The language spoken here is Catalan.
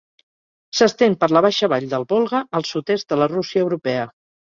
S'estén per la baixa vall del Volga, al sud-est de la Rússia europea.